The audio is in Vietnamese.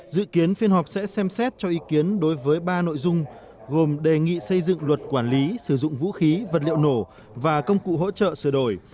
dự kiến phiên họp sẽ xem xét cho ý kiến đối với ba nội dung gồm đề nghị xây dựng luật quản lý sử dụng vũ khí vật liệu nổ và công cụ hỗ trợ sửa đổi